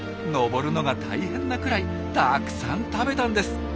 登るのが大変なくらいたくさん食べたんです。